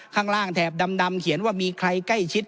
ข้างล่างแถบดำเขียนว่ามีใครใกล้ชิด